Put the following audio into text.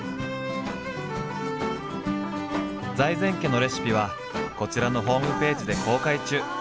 財前家のレシピはこちらのホームページで公開中。